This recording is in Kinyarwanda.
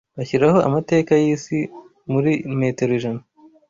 ashyiraho amateka yisi muri metero ijana